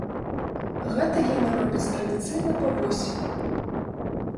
Гэта яны робяць традыцыйна па восені.